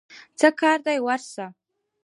څه کار دی ورسره؟